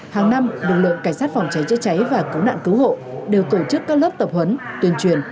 hàng năm lực lượng cảnh sát phòng cháy chữa cháy và cứu nạn cứu hộ đều tổ chức các lớp tập huấn tuyên truyền